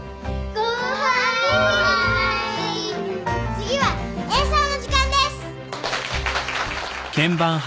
次は演奏の時間です。